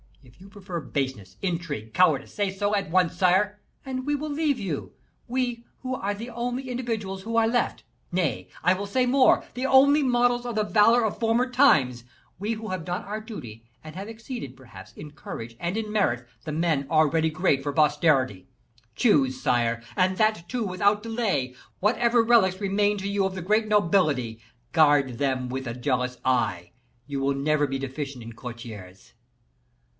If you prefer baseness, intrigue, cowardice, say so at once, sire, and we will leave you, we who are the only individuals who are left, nay, I will say more, the only models of the valor of former times; we who have done our duty, and have exceeded, perhaps, in courage and in merit, the men already great for posterity. Choose, sire! and that, too, without delay. Whatever relics remain to you of the great nobility, guard them with a jealous eye; you will never be deficient in courtiers.